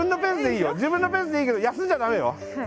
自分のペースでいいけど休んじゃ駄目よ。